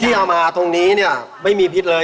เอามาตรงนี้เนี่ยไม่มีพิษเลย